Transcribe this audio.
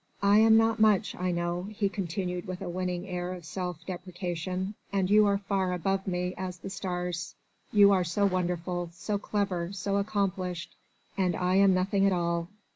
"I am not much, I know," he continued with a winning air of self deprecation, "and you are far above me as the stars you are so wonderful, so clever, so accomplished and I am nothing at all